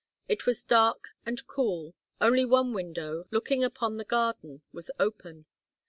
It was dark and cool. Only one window, looking upon the garden, was open.